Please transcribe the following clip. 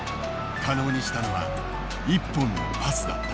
可能にしたのは１本のパスだった。